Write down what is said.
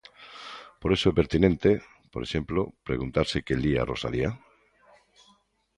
Por iso é pertinente, por exemplo, preguntarse que lía Rosalía.